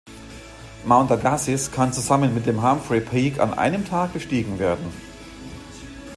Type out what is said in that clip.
Mount Agassiz kann zusammen mit dem Humphreys Peak an einem Tag bestiegen werden.